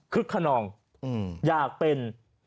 คึกคนนองอยากเป็น